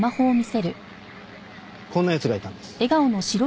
こんな奴がいたんです。